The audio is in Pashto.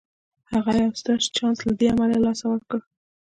هغه يو ستر چانس له دې امله له لاسه ورکړ.